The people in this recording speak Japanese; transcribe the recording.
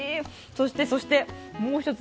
そしてそしてもう一つ